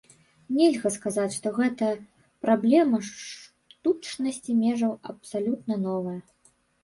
Нельга сказаць, што гэта праблема штучнасці межаў абсалютна новая.